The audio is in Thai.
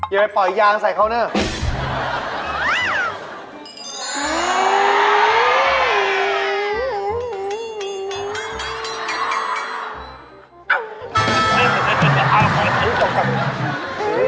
อย่าไปปล่อยยางใส่เขานะ